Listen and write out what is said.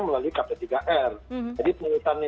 melalui kp tiga r jadi pengurusannya